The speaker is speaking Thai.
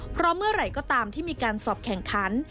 เพราะเมื่อไหร่ก็ตามที่มีการสอบแข่งขัน